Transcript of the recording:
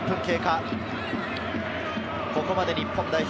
ここまで日本代表